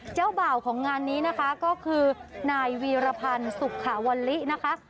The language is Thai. เจ้าบ่าวของงานนี้นะคะก็คือนายวีรพันธ์สุขาวัลลินะคะ